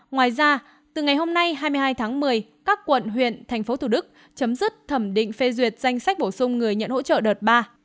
ngoài ra từ ngày hôm nay hai mươi hai tháng một mươi các quận huyện thành phố thủ đức chấm dứt thẩm định phê duyệt danh sách bổ sung người nhận hỗ trợ đợt ba